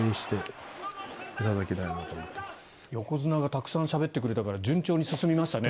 横綱がたくさんしゃべってくれたから順調に進みましたね。